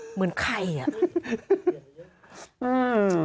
เหมือนใครอ่ะ